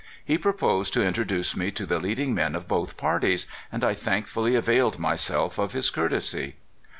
He proposed to introduce me to the leading men of both parties, and I thankfully availed myself of his courtesy.